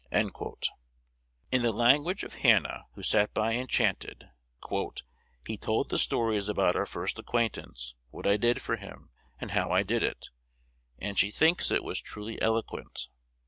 In the language of Hannah, who sat by enchanted, "he told the stories about our first acquaintance, what I did for him, and how I did it;" and she thinks it "was truly eloquent."